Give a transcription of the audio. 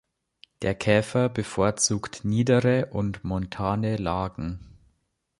Der Käfer bevorzugt niedere und montane Lagen.